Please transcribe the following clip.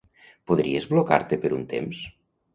Podries blocar-te per un temps?